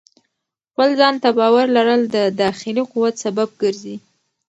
خپل ځان ته باور لرل د داخلي قوت سبب ګرځي.